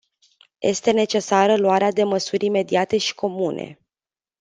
Este necesară luarea de măsuri imediate și comune.